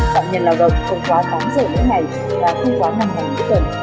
tạm nhận lào rộng công quá tám giờ mỗi ngày và khu quá năm ngày mỗi tuần